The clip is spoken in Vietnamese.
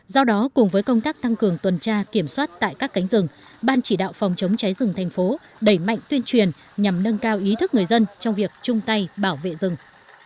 do đó cùng với công tác thăng cường tuần tra kiểm soát tại các cánh rừng ban chỉ đạo phòng chống cháy rừng thành phố đẩy mạnh tuyên truyền nhằm nâng cao ý thức người dân trong việc chung tay bảo vệ rừng